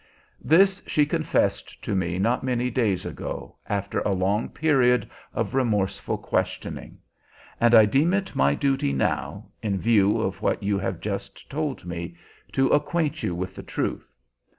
"This she confessed to me not many days ago, after a long period of remorseful questioning; and I deem it my duty now, in view of what you have just told me, to acquaint you with the truth.